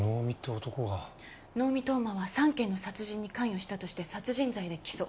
能見冬馬は３件の殺人に関与したとして殺人罪で起訴。